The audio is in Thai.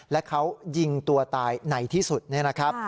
และเขายิงตัวตายไหนที่สุดนะครับ